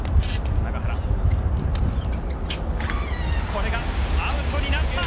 これがアウトになった！